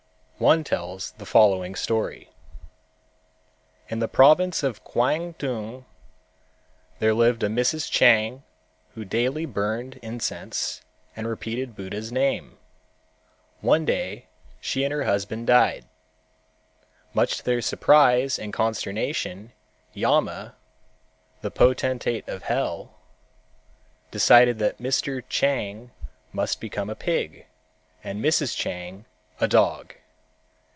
One tells the following story: In the province of Kwangtung there lived a Mrs. Chang who daily burned incense and repeated Buddha's name. One day she and her husband died. Much to their surprise and consternation Yama (the potentate of hell) decided that Mr. Chang must become a pig and Mrs. Chang a dog.